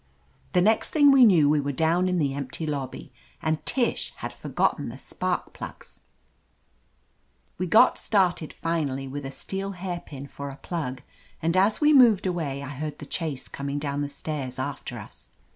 The next thing we knew we were down in the empty lobby, and Tish had forgotten the spark plugs ! We got started finally with a steel hairpin , for a plug, and as we moved away I heard the chase coming down the stairs after us.